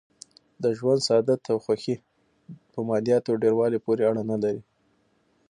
د ژوند سعادت او خوښي په مادیاتو ډېر والي پورې اړه نه لري.